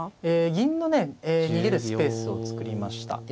え銀のね逃げるスペースを作りました。